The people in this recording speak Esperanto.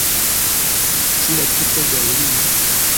Ĉu la tuta Gaŭlio?